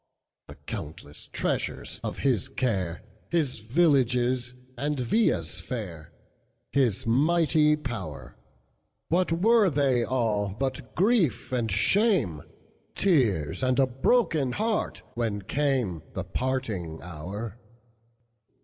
The countless treasures of his care, His villages and villas fair, His mighty power, What were they all but grief and shame, Tears and a broken heart, when cameThe parting hour?